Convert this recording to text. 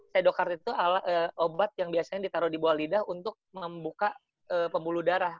sedokart itu obat yang biasanya ditaruh di bawah lidah untuk membuka pembuluh darah